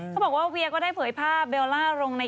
เขาบอกว่าเวียก็ได้เผยภาพเบลล่าลงใน